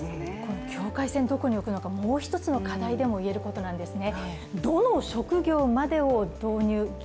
境界線をどこに置くのかもう一つの課題でも言えることなんですね。